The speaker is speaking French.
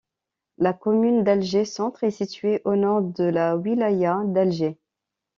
La commune d'Alger-Centre est située au nord de la wilaya d'Alger.